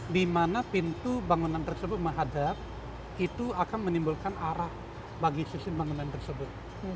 di mana pintu bangunan tersebut menghadap itu akan menimbulkan arah bagi sistem bangunan tersebut